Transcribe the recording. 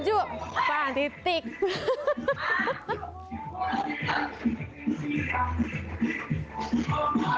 udah panas nih ya selamat tinggal